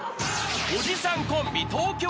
［おじさんコンビ。